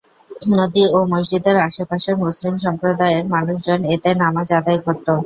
নদী ও মসজিদের আশপাশের মুসলিম সম্প্রদায়ের মানুষজন এতে নামাজ আদায় করতো।